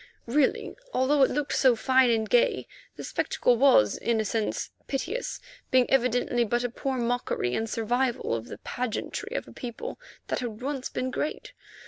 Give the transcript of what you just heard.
Really, although it looked so fine and gay, the spectacle was, in a sense, piteous, being evidently but a poor mockery and survival of the pageantry of a people that had once been great.